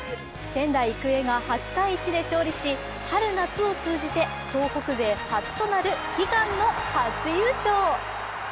仙台育英が８−１で勝利し春夏を通じて東北勢初となる悲願の初優勝。